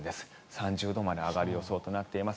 ３０度まで上がる予想となっています。